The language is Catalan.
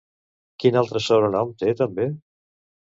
Quin altre sobrenom té també?